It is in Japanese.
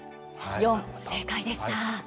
４、正解でした。